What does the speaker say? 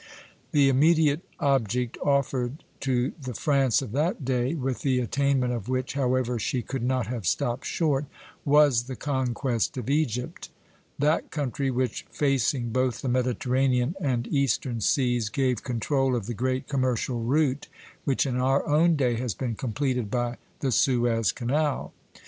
The immediate object offered to the France of that day, with the attainment of which, however, she could not have stopped short, was the conquest of Egypt; that country which, facing both the Mediterranean and Eastern seas, gave control of the great commercial route which in our own day has been completed by the Suez Canal.